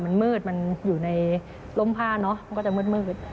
มันมืดมันอยู่ในร่มผ้าเนอะมันก็จะมืด